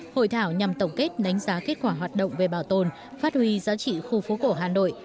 hội thảo nhằm tổng kết đánh giá kết quả hoạt động về bảo tồn phát huy giá trị khu phố cổ hà nội